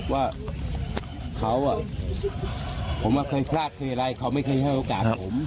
ว่าเขาผมเคยพลาดเคยอะไรเขาไม่เคยให้โอกาสผม